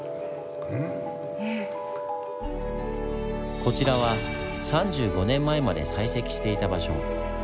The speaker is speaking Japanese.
こちらは３５年前まで採石していた場所。